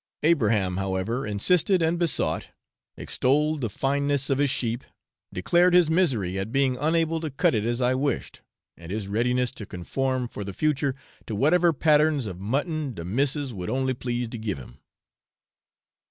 Abraham, however, insisted and besought, extolled the fineness of his sheep, declared his misery at being unable to cut it as I wished, and his readiness to conform for the future to whatever patterns of mutton 'de missis would only please to give him.'